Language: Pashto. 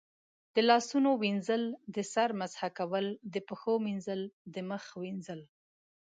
د لاسونو وینځل، د سر مسح کول، د پښو مینځل، د مخ وینځل